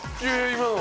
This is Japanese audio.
今の。